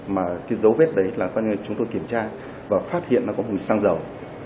mà cái dấu vết đấy là chúng tôi kiểm tra và phát hiện nó có mùi xăng dầu